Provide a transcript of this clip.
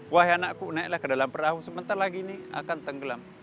wah anakku naiklah ke dalam perahu sebentar lagi ini akan tenggelam